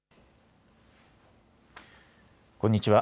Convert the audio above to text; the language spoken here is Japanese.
こんにちは。